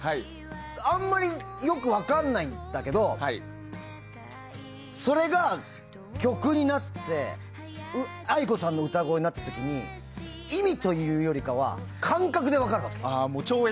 あまりよく分かんないんだけどそれが曲になってａｉｋｏさんの歌声になった時に意味というより感覚で分かるわけ。